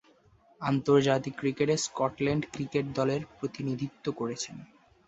আন্তর্জাতিক ক্রিকেটে Scotland cricket দলের প্রতিনিধিত্ব করছেন।